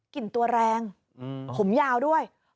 กินตัวแรงผมยาวด้วย